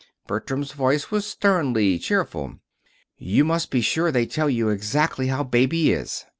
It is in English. Bertram's voice was sternly cheerful. "You must be sure they tell you exactly how Baby is."